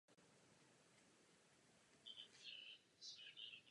Musíme zabránit anarchii a musíme předejít vzniku monopolů.